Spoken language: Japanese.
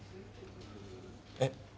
えっ？